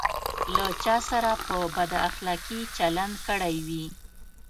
له چا سره په بد اخلاقي چلند کړی وي.